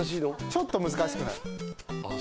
ちょっと難しくなるああ